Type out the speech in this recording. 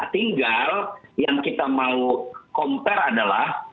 tinggal yang kita mau compare adalah